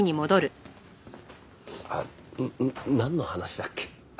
なんの話だっけ？